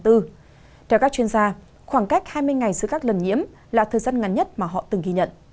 theo các chuyên gia khoảng cách hai mươi ngày giữa các lần nhiễm là thời gian ngắn nhất mà họ từng ghi nhận